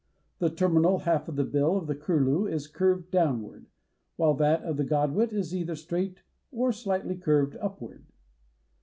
The terminal half of the bill of the curlew is curved downward, while that of the Godwit is either straight or slightly curved upward.